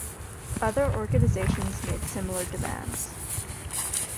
Other organisations made similar demands.